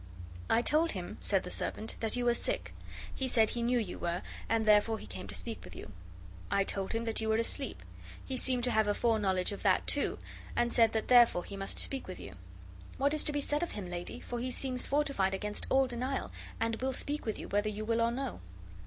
"I told him," said the servant, "that you were sick. He said he knew you were, and therefore he came to speak with you. I told him that you were asleep. He seemed to have a foreknowledge of that, too, and said that therefore he must speak with you. What is to be said to him, lady? for he seems fortified against all denial, and will speak with you, whether you will or no."